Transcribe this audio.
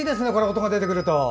音が出てくると。